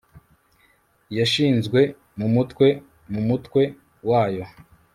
Yashizwe mumutwe mumutwe wayo